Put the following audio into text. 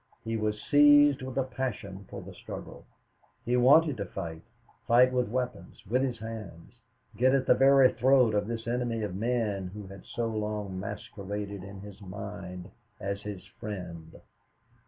He was seized with a passion for the struggle. He wanted to fight fight with weapons with his hands get at the very throat of this enemy of men who had so long masqueraded in his mind as their friend.